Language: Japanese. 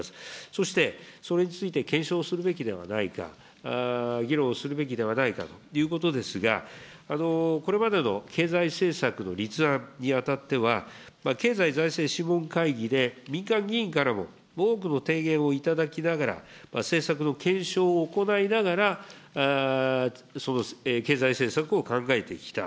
そして、それについて検証するべきではないか、議論するべきではないかということですが、これまでの経済政策の立案にあたっては、経済財政諮問会議で民間議員からも多くの提言をいただきながら、政策の検証を行いながら、その経済政策を考えてきた。